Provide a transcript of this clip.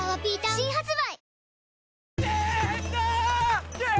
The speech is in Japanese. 新発売